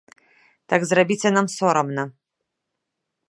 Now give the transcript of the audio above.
Так зрабіце нам сорамна!